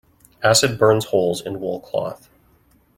Acid burns holes in wool cloth.